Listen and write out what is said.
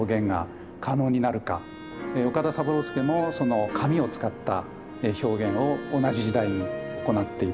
岡田三郎助も紙を使った表現を同じ時代に行っている。